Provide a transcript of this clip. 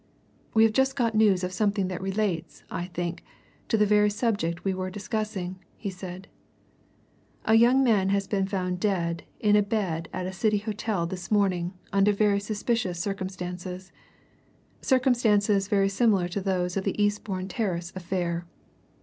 "We have just got news of something that relates, I think, to the very subject we were discussing," he said. "A young man has been found dead in bed at a City hotel this morning under very suspicious circumstances circumstances very similar to those of the Eastbourne Terrace affair.